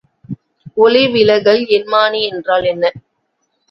ஒளி விலகல்எண்மானி என்றால் என்ன?